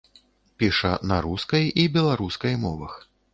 Піша на рускай і беларускай мовах.